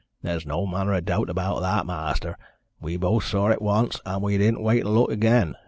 "There's no manner o' doubt about that, ma'aster. We both saw it once, and we didn't wait to look again.